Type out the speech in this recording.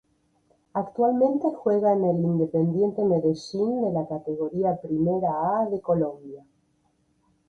Actualmente juega en el Independiente Medellín de la Categoría Primera A de Colombia.